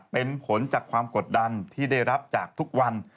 เป็นผลจากความกดดันที่ได้รับจากทุกวัน